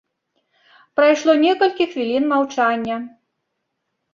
Прайшло некалькі хвілін маўчання.